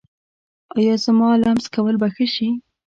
ایا زما لمس کول به ښه شي؟